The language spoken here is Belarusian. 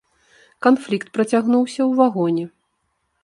Канфлікт працягнуўся ў вагоне.